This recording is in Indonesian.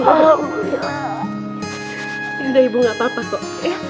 yaudah ibu gak apa apa kok